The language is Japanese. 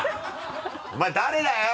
お前誰だよ？